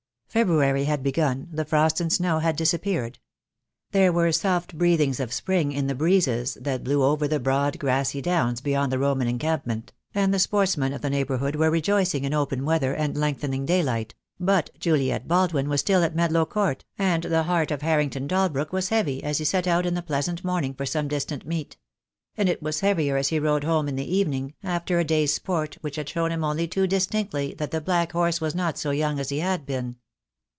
February had begun, the frost and snow had dis appeared. There were soft breathings of spring in the breezes that blew over the broad grassy downs beyond the Roman encampment, and the sportsmen of the neigh bourhood were rejoicing in open weather and lengthening daylight; but Juliet Baldwin was still at Medlow Court, and the heart of Harrington Dalbrook was heavy as he set out in the pleasant morning for some distant meet; and it was heavier as he rode home in the evening, after a day's sport which had shown him only too distinctly that the black horse was not so young as he had been.